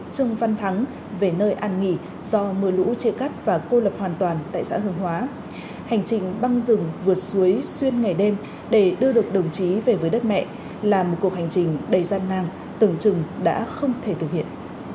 trương văn thắng về nơi an nghỉ do mưa lũ chia cắt và cô lập hoàn toàn tại xã hương hóa hành trình băng rừng vượt suối xuyên ngày đêm để đưa được đồng chí về với đất mẹ là một cuộc hành trình đầy gian nang tưởng chừng đã không thể thực hiện